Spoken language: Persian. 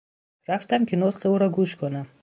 رفتم که نطق او را گوش کنم.